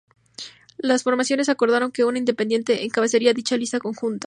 Las formaciones acordaron que un independiente encabezaría dicha lista conjunta.